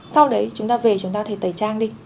sau đấy chúng ta về chúng ta có thể tẩy trang đi